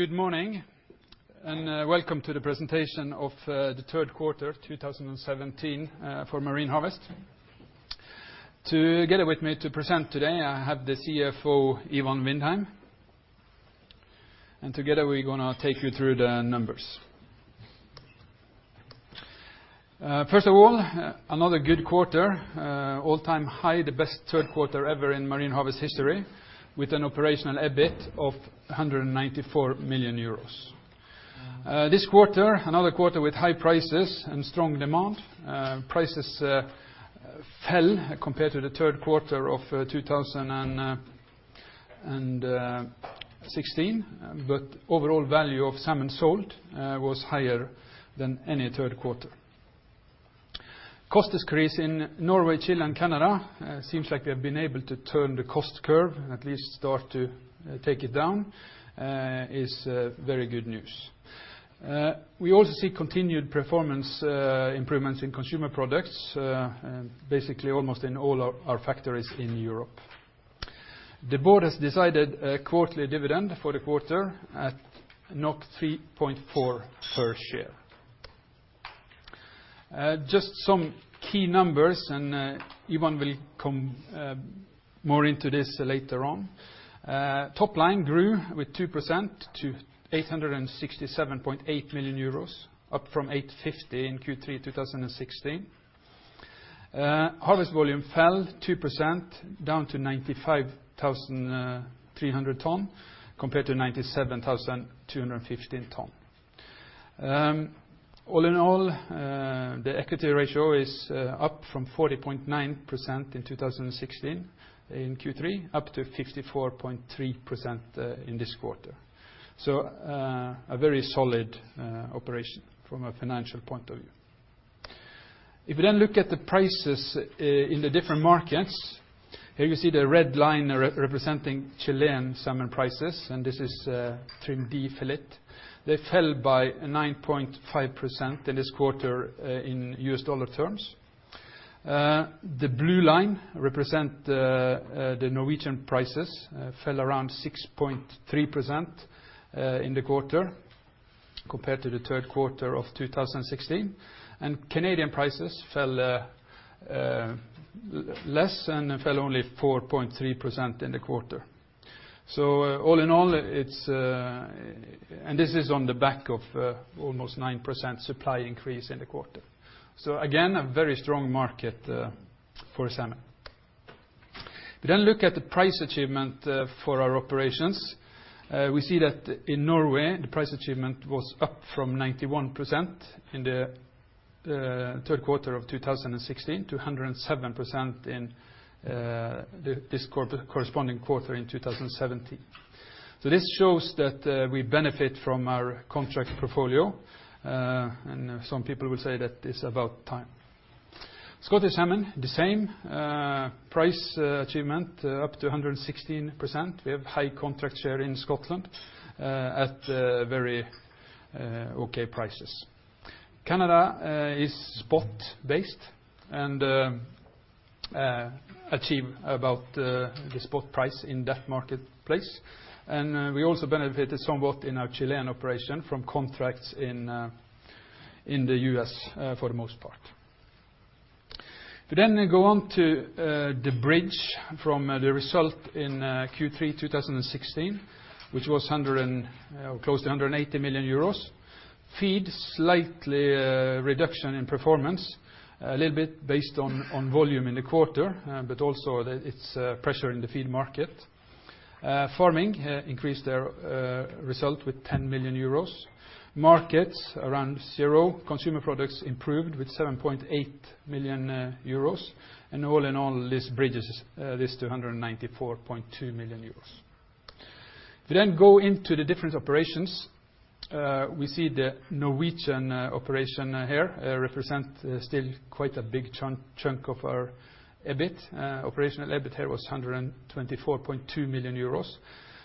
Good morning, and welcome to the presentation of the third quarter 2017 for Marine Harvest. Together with me to present today, I have the CFO, Ivan Vindheim, and together we're going to take you through the numbers. First of all, another good quarter, all-time high, the best third quarter ever in Marine Harvest history, with an operational EBIT of 194 million euros. This quarter, another quarter with high prices and strong demand. Prices fell compared to the third quarter of 2016, but overall value of salmon sold was higher than any third quarter. Cost decrease in Norway, Chile, and Canada. Seems like we have been able to turn the cost curve, at least start to take it down. This is very good news. We also see continued performance improvements in Consumer Products, basically almost in all our factories in Europe. The board has decided a quarterly dividend for the quarter at 3.4 per share. Just some key numbers, Ivan will come more into this later on. Top line grew with 2% to 867.8 million euros, up from 850 million in Q3 2016. Harvest volume fell 2%, down to 95,300 ton, compared to 97,215 ton. All in all, the equity ratio is up from 40.9% in 2016 in Q3, up to 54.3% in this quarter. A very solid operation from a financial point of view. If you then look at the prices in the different markets, here you see the red line representing Chilean salmon prices, and this is Trim D fillet. They fell by 9.5% in this quarter in US dollar terms. The blue line represents the Norwegian prices, fell around 6.3% in the quarter compared to the third quarter of 2016. Canadian prices fell less and fell only 4.3% in the quarter. All in all, this is on the back of almost 9% supply increase in the quarter. Again, a very strong market for salmon. We look at the price achievement for our operations. We see that in Norway, the price achievement was up from 91% in the third quarter of 2016 to 107% in this corresponding quarter in 2017. This shows that we benefit from our contract portfolio. Some people will say that it's about time. Scottish salmon, the same price achievement, up to 116%. We have high contract share in Scotland at very okay prices. Canada is spot based and achieve about the spot price in that marketplace. We also benefited somewhat in our Chilean operation from contracts in the U.S., for the most part. We go on to the bridge from the result in Q3 2016, which was close to 180 million euros. Feed, slight reduction in performance, a little bit based on volume in the quarter, but also pressure in the feed market. Farming increased their result with 10 million euros. Markets around zero. Consumer Products improved with 7.8 million euros. All in all, this bridges this to 194.2 million euros. We go into the different operations. We see the Norwegian operation here represents still quite a big chunk of our EBIT. Operational EBIT here was 124.2 million euros,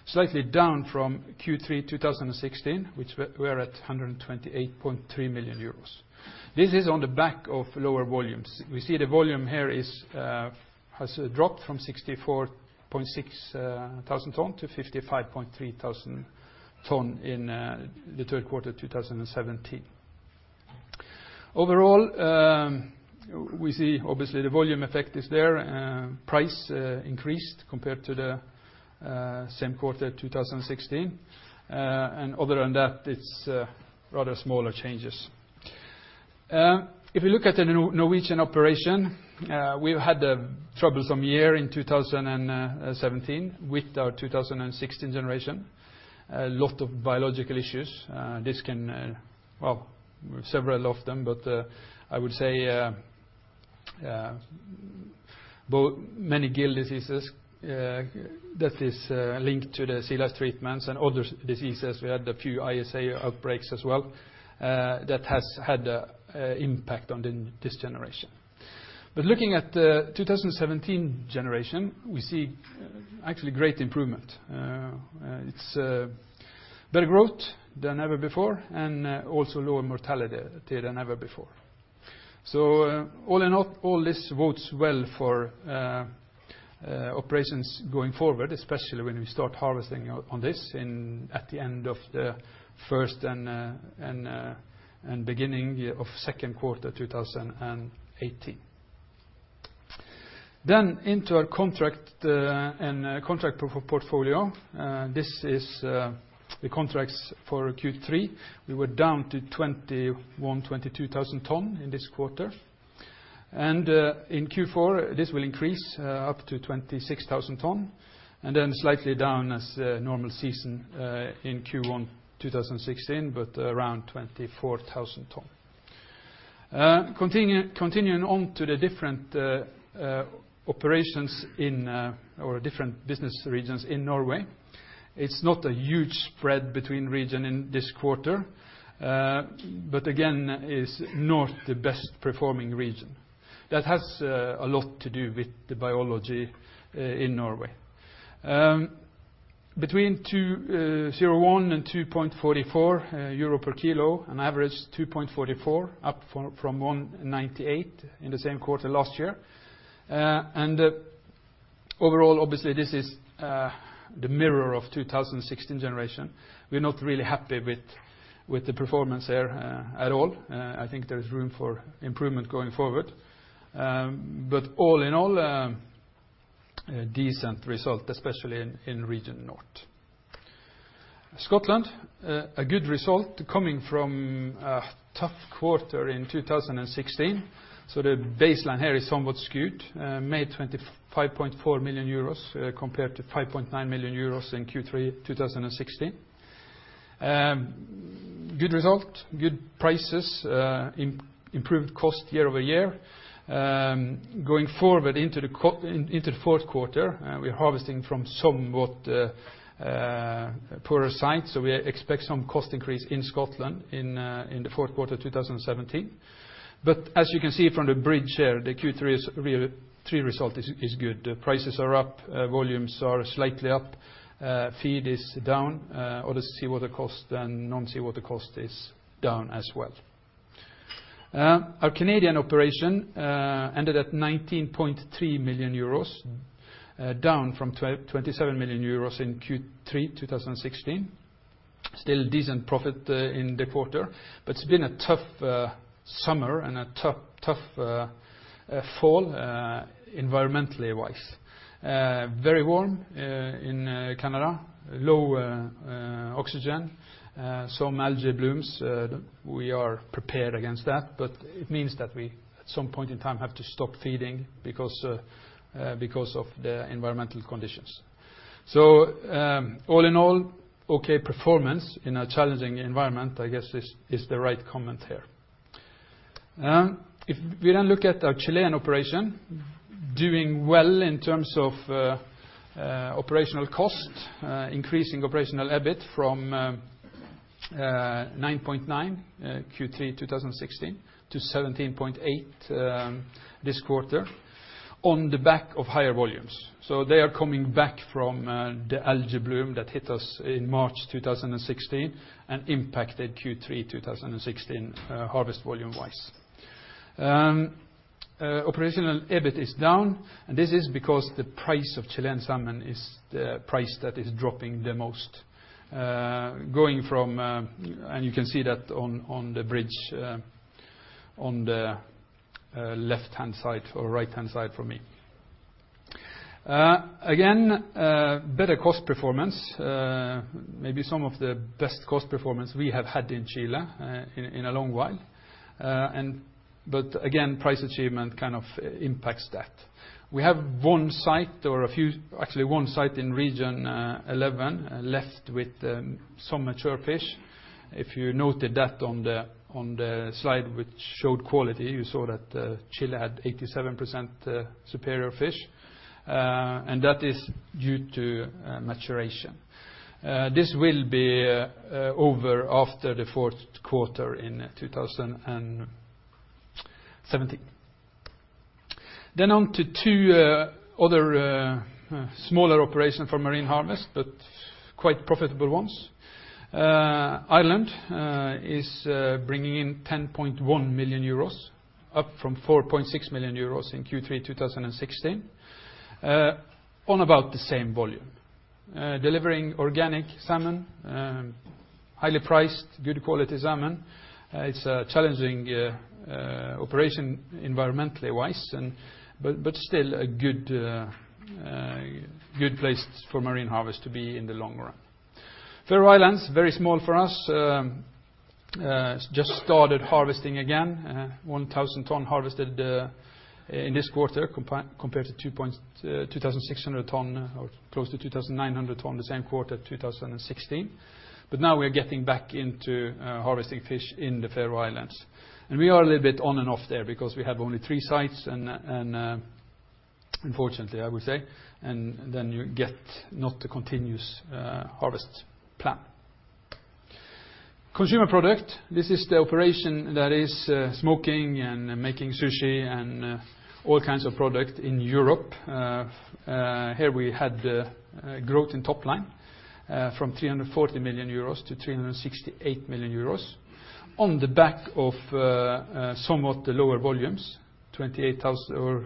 slightly down from Q3 2016, which we are at 128.3 million euros. This is on the back of lower volumes. We see the volume here has dropped from 64.6 thousand tons to 55.3 thousand tons in the third quarter 2017. Overall, we see obviously the volume effect is there. Price increased compared to the same quarter 2016. Other than that, it's rather smaller changes. If you look at the Norwegian operation, we've had a troublesome year in 2017 with our 2016 generation. A lot of biological issues. Several of them, but I would say many gill diseases that is linked to the sea lice treatments and other diseases. We had a few ISA outbreaks as well that has had an impact on this generation. Looking at the 2017 generation, we see actually great improvement. It's better growth than ever before and also lower mortality than ever before. All in all, this bodes well for operations going forward, especially when we start harvesting on this at the end of the first and beginning of the second quarter of 2018. Into our contract portfolio. This is the contracts for Q3. We were down to 21,000, 22,000 tons this quarter. In Q4, this will increase up to 26,000 tons, then slightly down as the normal season in Q1 2016, but around 24,000 tons. Continuing on to the different business regions in Norway. It's not a huge spread between regions in this quarter. Again, it is not the best-performing region. That has a lot to do with the biology in Norway. Between 2.01 and 2.44 euro per kilo, on average 2.44, up from 1.98 in the same quarter last year. Overall, obviously, this is the mirror of the 2016 generation. We're not really happy with the performance there at all. I think there is room for improvement going forward. All in all, a decent result, especially in region North. Scotland, a good result coming from a tough quarter in 2016. The baseline here is somewhat skewed. Made 25.4 million euros compared to 5.9 million euros in Q3 2016. Good result. Good prices. Improved cost year-over-year. Going forward into the fourth quarter, we're harvesting from somewhat poorer sites. We expect some cost increase in Scotland in the fourth quarter of 2017. As you can see from the bridge there, the Q3 result is good. Prices are up, volumes are slightly up, feed is down, all the seawater cost and non-seawater cost is down as well. Our Canadian operation ended at 19.3 million euros, down from 27 million euros in Q3 2016. Still a decent profit in the quarter. It's been a tough summer and a tough fall environmentally-wise. Very warm in Canada, low oxygen, some algae blooms. We are prepared against that. It means that we, at some point in time, have to stop feeding because of the environmental conditions. All in all, okay performance in a challenging environment, I guess is the right comment here. If we then look at our Chilean operation, doing well in terms of operational cost, increasing operational EBIT from 9.9 Q3 2016 to 17.8 this quarter on the back of higher volumes. They are coming back from the algae bloom that hit us in March 2016 and impacted Q3 2016, harvest volume-wise. Operational EBIT is down, and this is because the price of Chilean salmon is the price that is dropping the most, and you can see that on the bridge on the left-hand side or right-hand side from me. Again, better cost performance. Maybe some of the best cost performance we have had in Chile in a long while. Again, price achievement kind of impacts that. We have one site in Region 11 left with some mature fish. If you noted that on the slide, which showed quality, you saw that Chile had 87% superior fish. That is due to maturation. This will be over after the fourth quarter in 2017. On to two other smaller operations for Marine Harvest, but quite profitable ones. Ireland is bringing in 10.1 million euros, up from 4.6 million euros in Q3 2016, on about the same volume. Delivering organic salmon, highly priced, good quality salmon. It's a challenging operation environmentally-wise, but still a good place for Marine Harvest to be in the long run. Faroe Islands, very small for us. Just started harvesting again. 1,000 tons harvested in this quarter compared to 2,600 tons or close to 2,900 tons the same quarter 2016. Now we are getting back into harvesting fish in the Faroe Islands. We are a little bit on and off there because we have only three sites, unfortunately, I would say, and then you get not the continuous harvest plan. Consumer Products, this is the operation that is smoking and making sushi and all kinds of product in Europe. Here we had growth in top line from 340 million euros to 368 million euros on the back of somewhat lower volumes, 28,000 or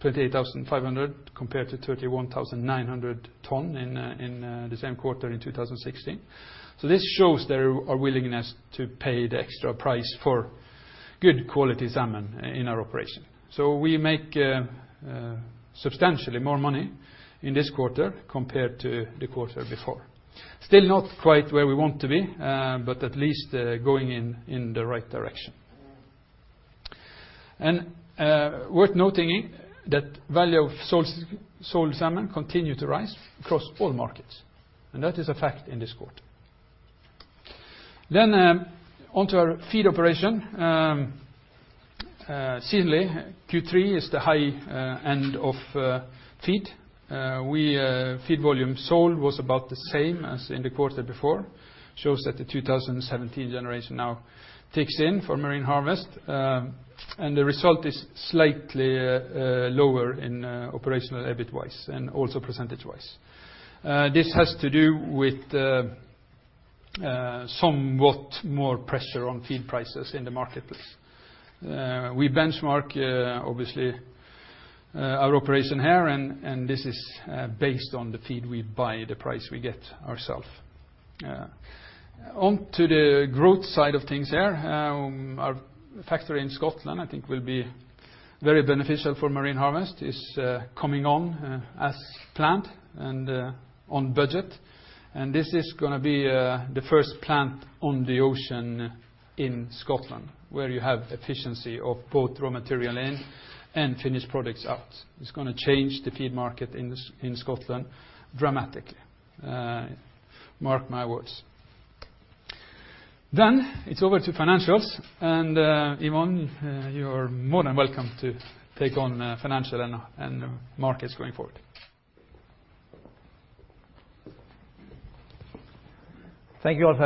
28,500 compared to 31,900 ton in the same quarter in 2016. This shows their willingness to pay the extra price for good quality salmon in our operation. We make substantially more money in this quarter compared to the quarter before. Still not quite where we want to be, but at least going in the right direction. Worth noting that value of sold salmon continue to rise across all markets, and that is a fact in this quarter. On to our feed operation. Seemly, Q3 is the high end of feed. Feed volume sold was about the same as in the quarter before. Shows that the 2017 generation now kicks in for Marine Harvest, and the result is slightly lower in operational EBIT wise and also percentage wise. This has to do with somewhat more pressure on feed prices in the marketplace. We benchmark obviously our operation here, and this is based on the feed we buy, the price we get ourself. On to the growth side of things there. Our factory in Scotland, I think, will be very beneficial for Marine Harvest. It's coming on as planned and on budget, and this is going to be the first plant on the ocean in Scotland where you have efficiency of both raw material in and finished products out. It's going to change the feed market in Scotland dramatically. Mark my words. It's over to financials. Ivan, you are more than welcome to take on financial and markets going forward. Thank you, Alf,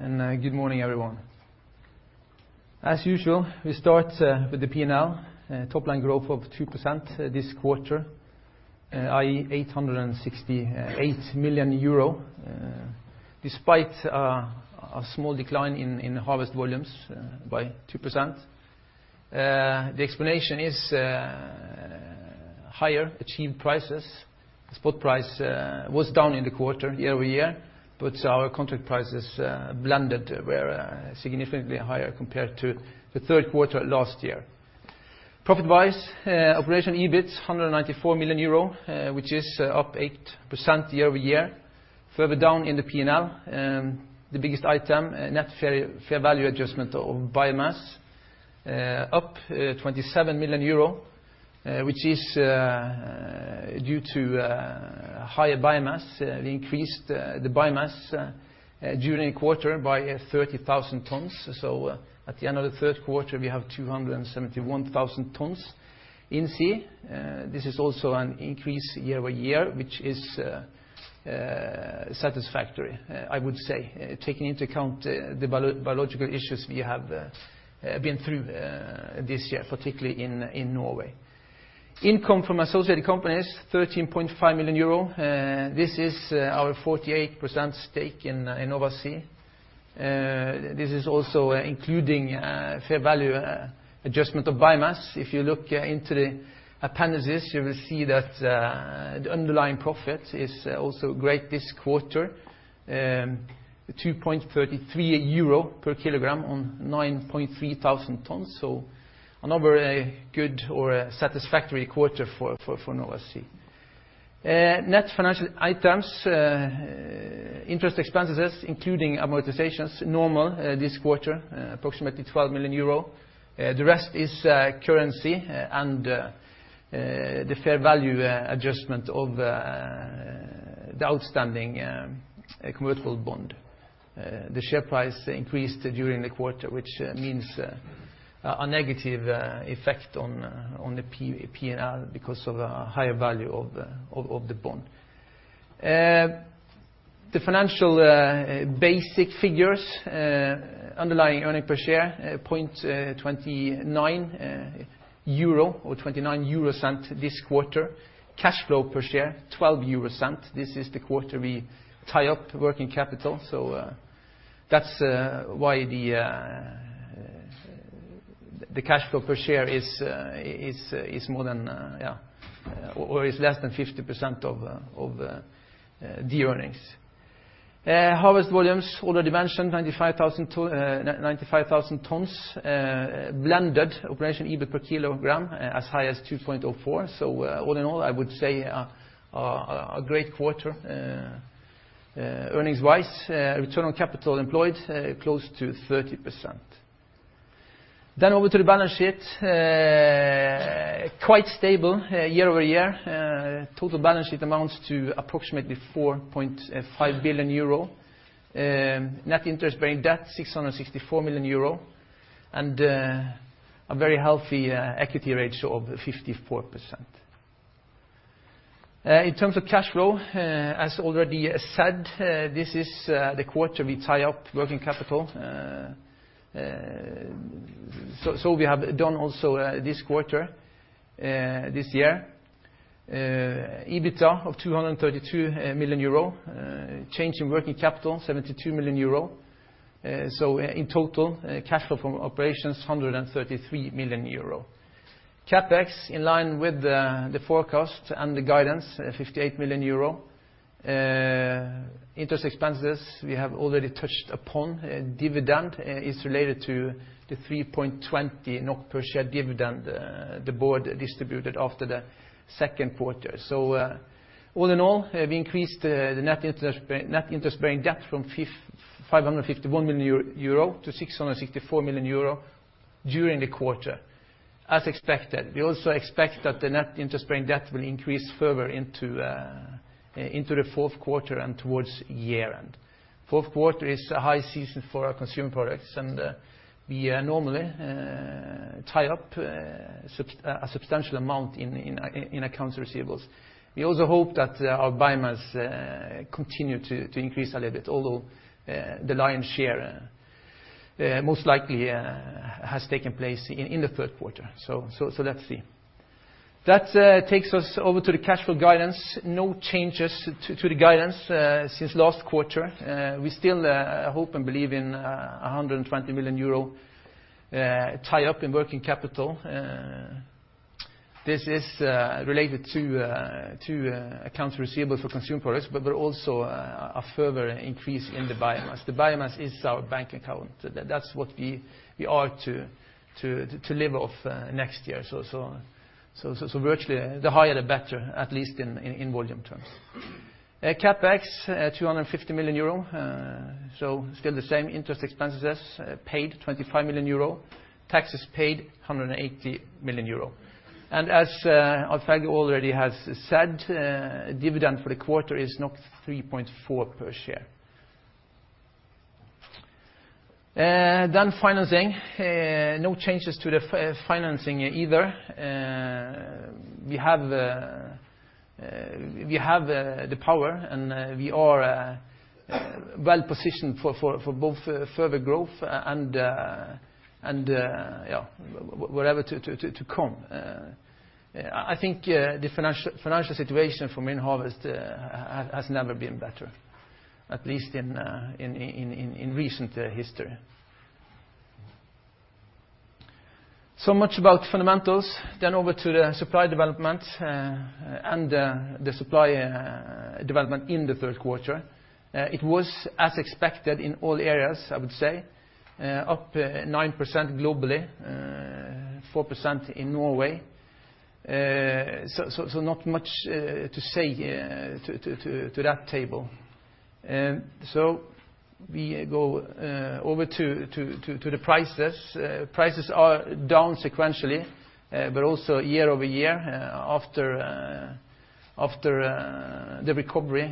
and good morning, everyone. As usual, we start with the P&L top line growth of 2% this quarter, i.e., 868 million euro, despite a small decline in harvest volumes by 2%. The explanation is higher achieved prices. Spot price was down in the quarter year-over-year. Our contract prices blended were significantly higher compared to the third quarter last year. Profit-wise, operational EBIT 194 million euro, which is up 8% year-over-year. Further down in the P&L, the biggest item, net fair value adjustment of biomass up 27 million euro, which is due to higher biomass. We increased the biomass during the quarter by 30,000 tonnes. At the end of the third quarter, we have 271,000 tonnes in sea. This is also an increase year-over-year, which is satisfactory, I would say, taking into account the biological issues we have been through this year, particularly in Norway. Income from associated companies, 13.5 million euro. This is our 48% stake in Nova Sea. This is also including fair value adjustment of biomass. If you look into the appendices, you will see that the underlying profit is also great this quarter, 2.33 euro per kilogram on 9,300 tonnes. Another good or satisfactory quarter for Nova Sea. Net financial items, interest expenses, including amortizations, normal this quarter, approximately 12 million euro. The rest is currency and the fair value adjustment of the outstanding convertible bond. The share price increased during the quarter, which means a negative effect on the P&L because of a higher value of the bond. The financial basic figures, underlying earning per share, 0.29 euro or 0.29 this quarter. Cash flow per share, 0.12. This is the quarter we tie up working capital. That's why the cash flow per share is less than 50% of the earnings. Harvest volumes already mentioned, 95,000 tonnes. Blended operational EBIT per kilogram as high as 2.04. All in all, I would say a great quarter earnings-wise. Return on capital employed, close to 30%. Over to the balance sheet. Quite stable year-over-year. Total balance sheet amounts to approximately 4.5 billion euro. Net interest-bearing debt, 664 million euro, and a very healthy equity ratio of 54%. In terms of cash flow, as already said, this is the quarter we tie up working capital. We have done also this quarter this year. EBITDA of 232 million euro. Change in working capital, 72 million euro. In total, cash flow from operations, 133 million euro. CapEx in line with the forecast and the guidance, 58 million euro. Interest expenses, we have already touched upon. Dividend is related to the 3.20 NOK per share dividend the board distributed after the second quarter. All in all, we increased the net interest-bearing debt from 551 million euro to 664 million euro during the quarter, as expected. We also expect that the net interest-bearing debt will increase further into the fourth quarter and towards year-end. Fourth quarter is a high season for our Consumer Products, and we normally tie up a substantial amount in accounts receivable. We also hope that our biomass continue to increase a little bit, although the lion's share most likely has taken place in the third quarter. Let's see. That takes us over to the cash flow guidance. No changes to the guidance since last quarter. We still hope and believe in a 120 million euro tie-up in working capital. This is related to accounts receivable for Consumer Products, but we're also a further increase in the biomass. The biomass is our bank account. That's what we are to live off next year. Virtually the higher the better, at least in volume terms. CapEx, 250 million euro. Still the same interest expenses paid, 25 million euro. Taxes paid, 180 million euro. As Alf-Helge Aarskog already has said, dividend for the quarter is 3.4 per share. Financing. No changes to the financing either. We have the power, and we are well-positioned for both further growth and whatever to come. I think the financial situation for Marine Harvest has never been better, at least in recent history. Much about fundamentals. Over to the supply development and the supply development in the third quarter. It was as expected in all areas, I would say. Up 9% globally, 4% in Norway. Not much to say to that table. We go over to the prices. Prices are down sequentially, but also year-over-year after the recovery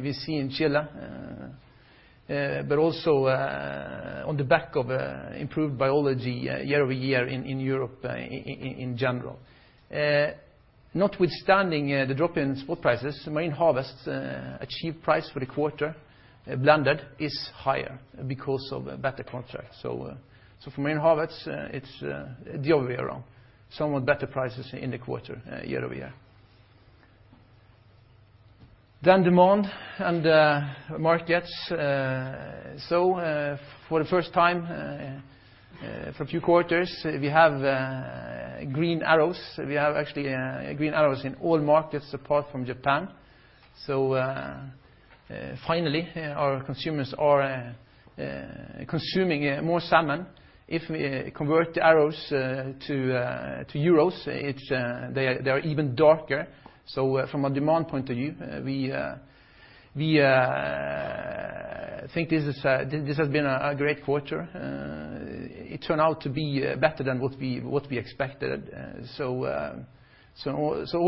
we see in Chile, but also on the back of improved biology year-over-year in Europe in general. Notwithstanding the drop in spot prices, Marine Harvest achieved price for the quarter, blended, is higher because of better contracts. For Marine Harvest, it's the other way around. Somewhat better prices in the quarter year-over-year. Demand and markets. For the first time for a few quarters, we have green arrows. We have actually green arrows in all markets apart from Japan. Finally, our consumers are consuming more salmon. If we convert the arrows to euros, they are even darker. From a demand point of view, we think this has been a great quarter. It turned out to be better than what we expected. All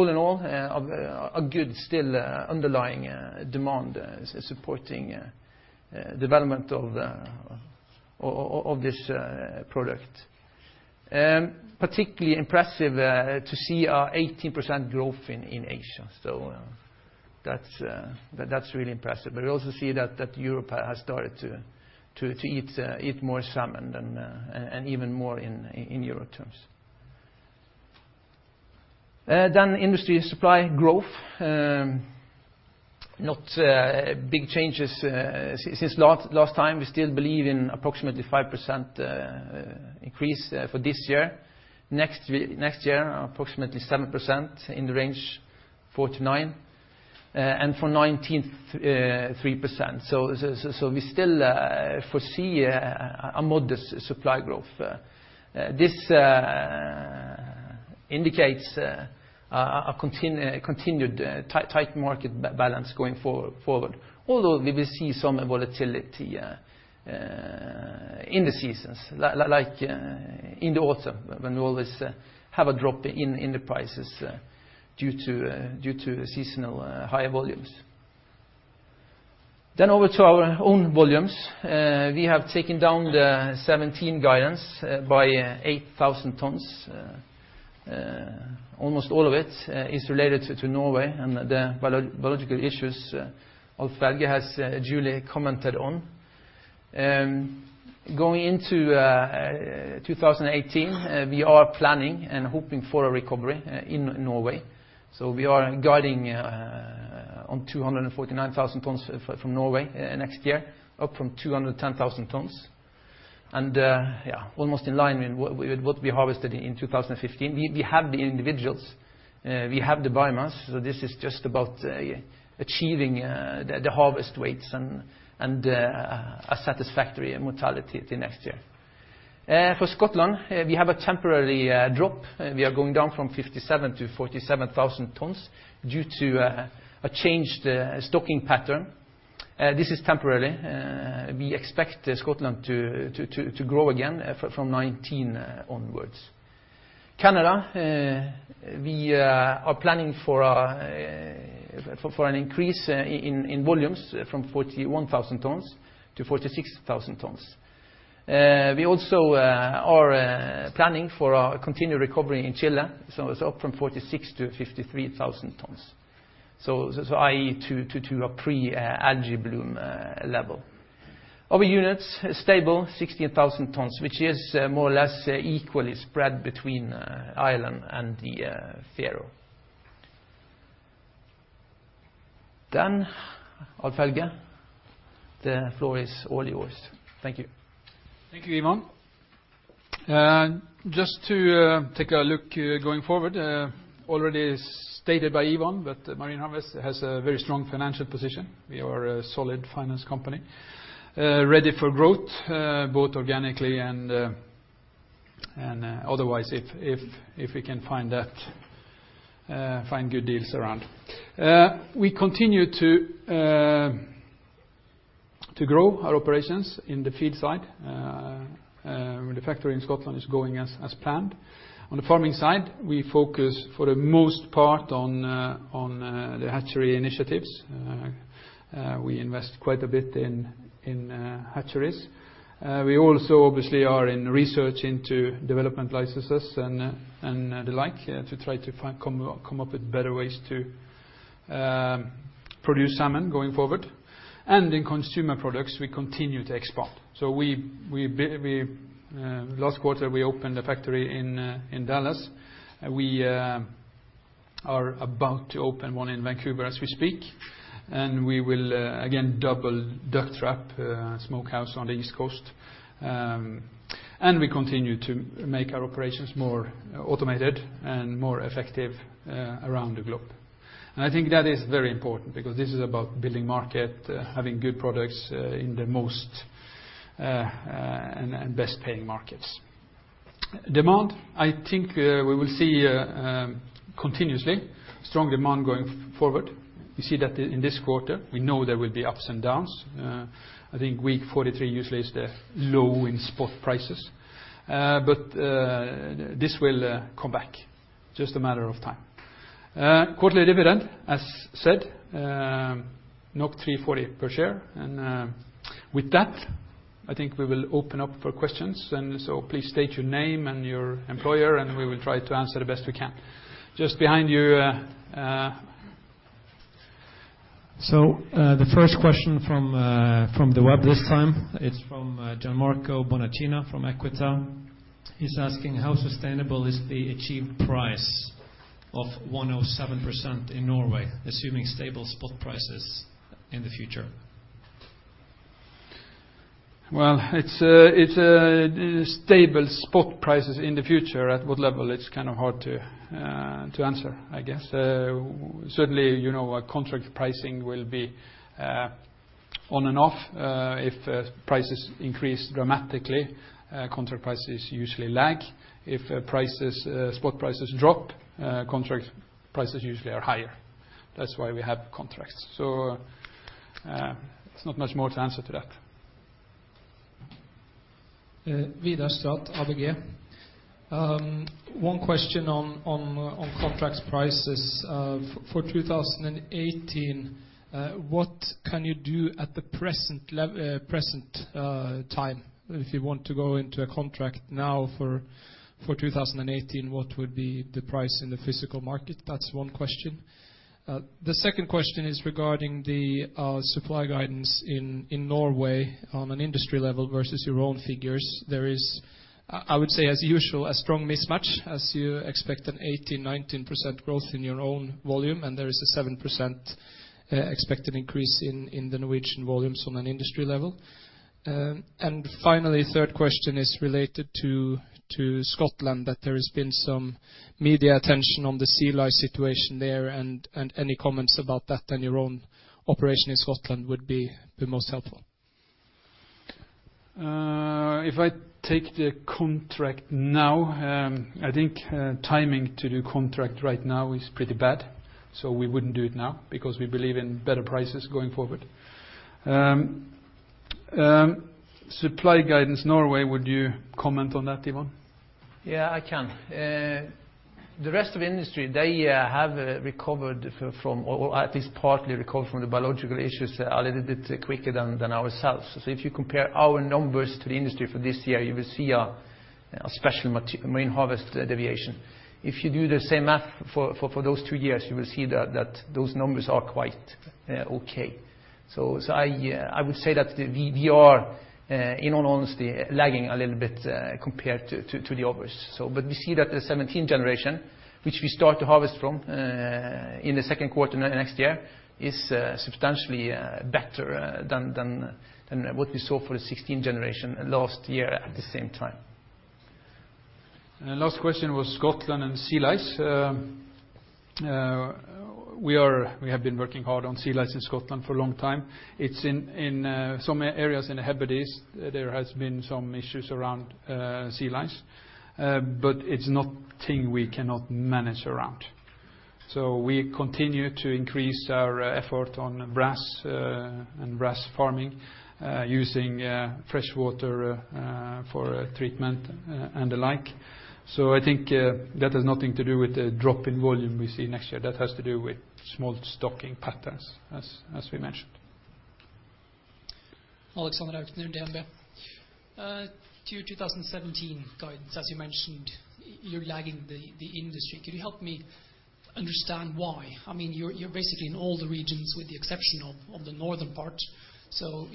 in all, a good still underlying demand supporting development of this product. Particularly impressive to see our 18% growth in Asia. That's really impressive. We also see that Europe has started to eat more salmon and even more in euro terms. Industry supply growth. Not big changes since last time. We still believe in approximately 5% increase for this year. Next year, approximately 7%, in the range 4%-9%. For 2019, 3%. We still foresee a modest supply growth. This indicates a continued tight market balance going forward, although we will see some volatility in the seasons, like in the autumn when we always have a drop in the prices due to seasonal higher volumes. Over to our own volumes. We have taken down the 2017 guidance by 8,000 tons. Almost all of it is related to Norway and the biological issues Alf-Helge has duly commented on. Going into 2018, we are planning and hoping for a recovery in Norway. We are guiding on 249,000 tons from Norway next year, up from 210,000 tons. Almost in line with what we harvested in 2015. We have the individuals, we have the biomass, so this is just about achieving the harvest weights and a satisfactory mortality the next year. For Scotland, we have a temporary drop. We are going down from 57,000 tons to 47,000 tons due to a changed stocking pattern. This is temporary. We expect Scotland to grow again from 2019 onwards. Canada, we are planning for an increase in volumes from 41,000 tons to 46,000 tons. We also are planning for a continued recovery in Chile. It's up from 46,000 to 53,000 tonnes. I.e., to a pre-algae bloom level. Other units, stable 16,000 tonnes, which is more or less equally spread between Ireland and the Faroe. Alf-Helge Aarskog, the floor is all yours. Thank you. Thank you, Ivan. Just to take a look going forward, already stated by Ivan, Marine Harvest has a very strong financial position. We are a solid finance company. Ready for growth, both organically and otherwise, if we can find good deals around. We continue to grow our operations in the feed side. The factory in Scotland is going as planned. On the farming side, we focus for the most part on the hatchery initiatives. We invest quite a bit in hatcheries. We also obviously are in research into development licenses and the like, to try to come up with better ways to produce salmon going forward. In Consumer Products, we continue to expand. Last quarter, we opened a factory in Dallas. We are about to open one in Vancouver as we speak, we will again double Duck Trap Smokehouse on the East Coast. We continue to make our operations more automated and more effective around the globe. I think that is very important because this is about building market, having good products in the most and best-paying markets. Demand, I think we will see continuously strong demand going forward. We see that in this quarter. We know there will be ups and downs. I think week 43 usually is the low in spot prices. This will come back, just a matter of time. Quarterly dividend, as said, 3.40 per share. With that, I think we will open up for questions. Please state your name and your employer, and we will try to answer the best we can. Just behind you. The first question from the web this time. It's from Gianmarco Bonacina from Equita. He's asking, "How sustainable is the achieved price of 107% in Norway, assuming stable spot prices in the future? Well, stable spot prices in the future, at what level? It's kind of hard to answer, I guess. Certainly, contract pricing will be on and off. If prices increase dramatically, contract prices usually lag. If spot prices drop, contract prices usually are higher. That's why we have contracts. There's not much more to answer to that. Vidar Straand, ABG. One question on contract prices. For 2018, what can you do at the present time? If you want to go into a contract now for 2018, what would be the price in the physical market? That's one question. The second question is regarding the supply guidance in Norway on an industry level versus your own figures. There is, I would say, as usual, a strong mismatch as you expect an 18%-19% growth in your own volume, and there is a 7% expected increase in the Norwegian volumes on an industry level. Finally, third question is related to Scotland, that there has been some media attention on the sea lice situation there and any comments about that and your own operation in Scotland would be most helpful. If I take the contract now, I think timing to do contract right now is pretty bad. We wouldn't do it now because we believe in better prices going forward. Supply guidance Norway, would you comment on that, Ivan? Yeah, I can. The rest of the industry, they have recovered from, or at least partly recovered from the biological issues a little bit quicker than ourselves. If you compare our numbers to the industry for this year, you will see a special Marine Harvest deviation. If you do the same math for those two years, you will see that those numbers are quite okay. I would say that we are, in all honesty, lagging a little bit compared to the others. We see that the '17 generation, which we start to harvest from in the 2nd quarter next year, is substantially better than what we saw for the '16 generation last year at the same time. The last question was Scotland and sea lice. We have been working hard on sea lice in Scotland for a long time. It's in some areas in the Hebrides, there has been some issues around sea lice. It's nothing we cannot manage around. We continue to increase our effort on wrasse and wrasse farming, using freshwater for treatment and the like. I think that has nothing to do with the drop in volume we see next year. That has to do with smolt stocking patterns, as we mentioned. To your 2017 guidance, as you mentioned, you're lagging the industry. Could you help me understand why? You're basically in all the regions, with the exception of the northern part.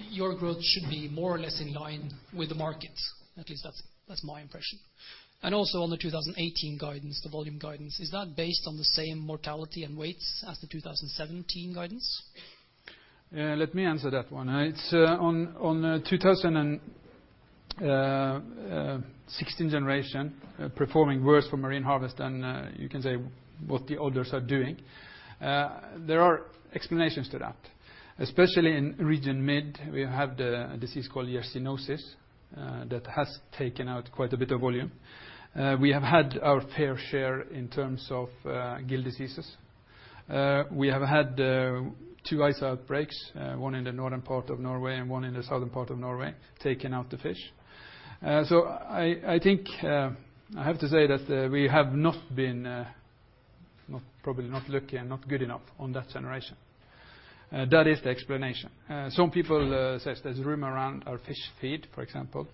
Your growth should be more or less in line with the market. At least, that's my impression. Also on the 2018 guidance, the volume guidance, is that based on the same mortality and weights as the 2017 guidance? Let me answer that one. On 2016 generation, performing worse for Marine Harvest than you can say what the others are doing, there are explanations to that. Especially in Region Mid, we have the disease called yersiniosis, that has taken out quite a bit of volume. We have had our fair share in terms of gill diseases. We have had two ISA outbreaks, one in the northern part of Norway and one in the southern part of Norway, taking out the fish. I think I have to say that we have not been lucky and not good enough on that generation. That is the explanation. Some people say there's rumor around our fish feed, for example.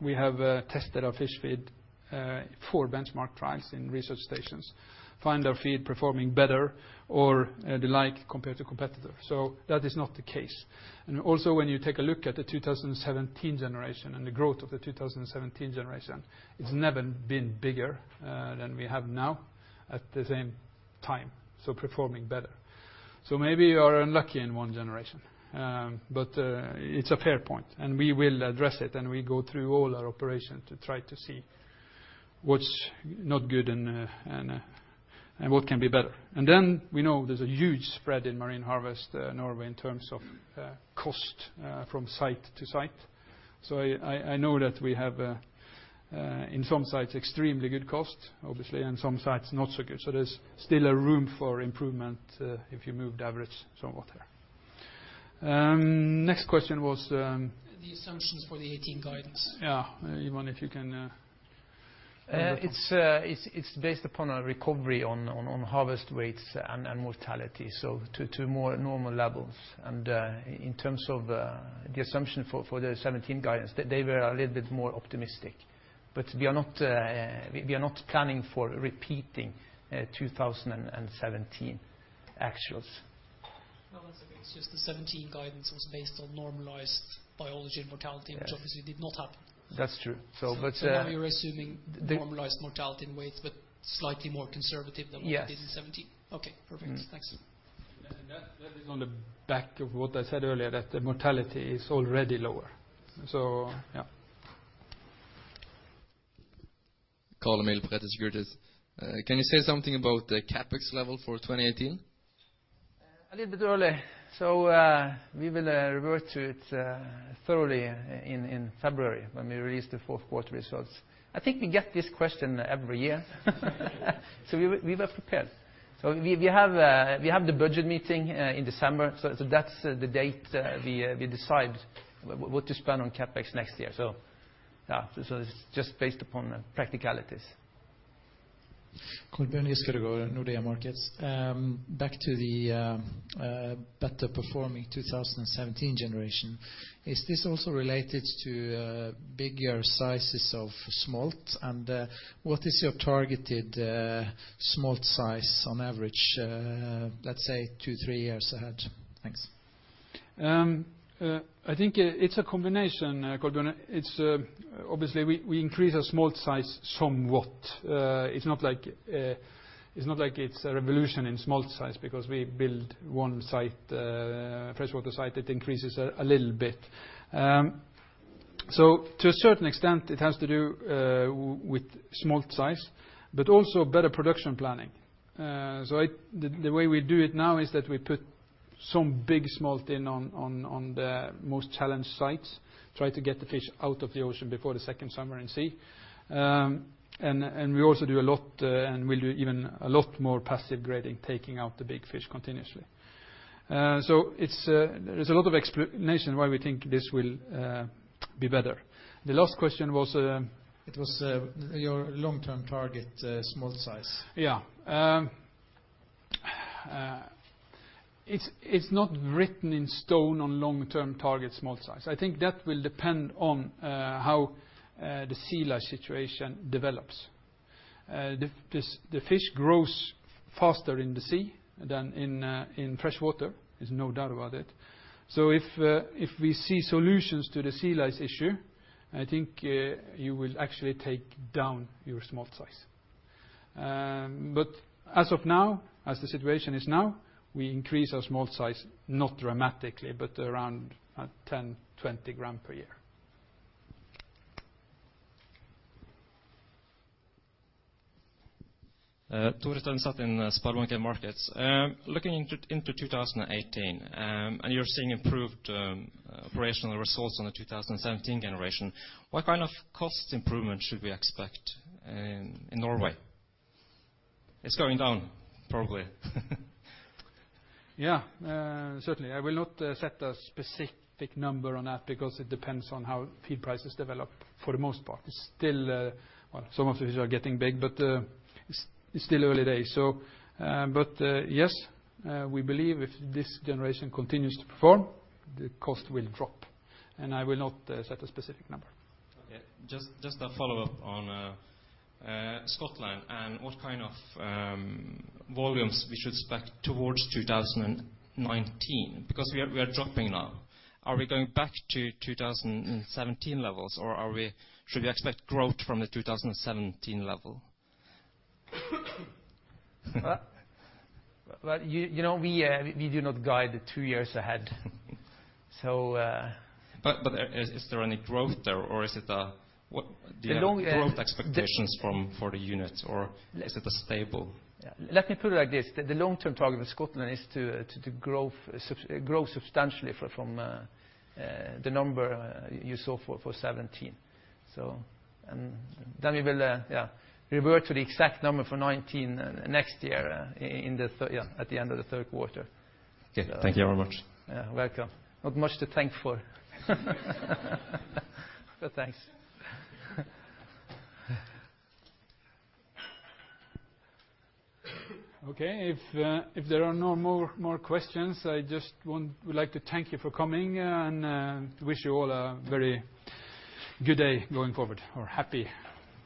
We have tested our fish feed, four benchmark trials in research stations, find our feed performing better or the like, compared to competitor. That is not the case. Also when you take a look at the 2017 generation and the growth of the 2017 generation, it's never been bigger than we have now at the same time, performing better. Maybe you are unlucky in one generation. It's a fair point, we will address it, and we go through all our operations to try to see what's not good and what can be better. We know there's a huge spread in Marine Harvest Norway in terms of cost from site to site. I know that we have, in some sites, extremely good cost, obviously, and some sites not so good. There's still a room for improvement if you move the average somewhat there. Next question was. The assumptions for the 2018 guidance. Yeah. Ivan, if you can- It's based upon a recovery on harvest weights and mortality, so to more normal levels. In terms of the assumption for the 2017 guidance, they were a little bit more optimistic. We are not planning for repeating 2017 actually. No, that's okay. It's just the 2017 guidance was based on normalized biology and mortality. Yeah which obviously did not happen. That's true. Now you're assuming. The- normalized mortality and weights, but slightly more conservative than- Yes what you did in 2017. Okay, perfect. Thanks. That is on the back of what I said earlier, that the mortality is already lower. Yeah. Carl-Emil Kjølås Johannessen, SEB. Can you say something about the CapEx level for 2018? A little bit early. We will revert to it thoroughly in February when we release the fourth quarter results. I think we get this question every year. We were prepared. We have the budget meeting in December. That's the date we decide what to spend on CapEx next year. It's just based upon practicalities. Cordua Nyskörugoa, Nordea Markets. Back to the better performing 2017 generation, is this also related to bigger sizes of smolt? What is your targeted smolt size on average, let's say two, three years ahead? Thanks. I think it's a combination, Cordua. Obviously, we increase our smolt size somewhat. It's not like it's a revolution in smolt size because we build one freshwater site that increases a little bit. To a certain extent, it has to do with smolt size, but also better production planning. The way we do it now is that we put some big smolt in on the most challenged sites, try to get the fish out of the ocean before the second summer and see. We also do a lot, and we'll do even a lot more passive grading, taking out the big fish continuously. There's a lot of explanation why we think this will be better. The last question was- It was your long-term target, smolt size. Yeah. It's not written in stone on long-term target smolt size. I think that will depend on how the sea lice situation develops. The fish grows faster in the sea than in freshwater. There's no doubt about it. If we see solutions to the sea lice issue, I think you will actually take down your smolt size. As of now, as the situation is now, we increase our smolt size, not dramatically, but around 10, 20 gram per year. Tore Stensrud in Sparbank markets. Looking into 2018, you're seeing improved operational results on the 2017 generation. What kind of cost improvement should we expect in Norway? It's going down, probably. Yeah. Certainly. I will not set a specific number on that because it depends on how feed prices develop, for the most part. Some of the fish are getting big, but it's still early days. Yes, we believe if this generation continues to perform, the cost will drop. I will not set a specific number. Okay. Just a follow-up on Scotland and what kind of volumes we should expect towards 2019, because we are dropping now. Are we going back to 2017 levels, or should we expect growth from the 2017 level? Well, we do not guide the two years ahead. Is there any growth there? What are the growth expectations for the unit, or is it stable? Let me put it like this. The long-term target in Scotland is to grow substantially from the number you saw for 2017. Then we will revert to the exact number for 2019 next year at the end of the third quarter. Okay. Thank you very much. You're welcome. Not much to thank for. Thanks. Okay. If there are no more questions, I just would like to thank you for coming and wish you all a very good day going forward.